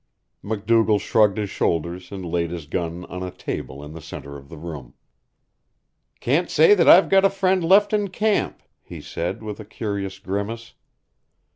MacDougall shrugged his shoulders and laid his gun on a table in the center of the room. "Can't say that I've got a friend left in camp," he said, with a curious grimace.